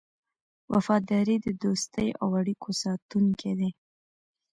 وفاداري د دوستۍ او اړیکو ساتونکی دی.